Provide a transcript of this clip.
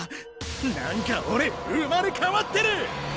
なんかおれ生まれ変わってる！